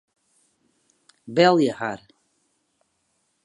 Belje har.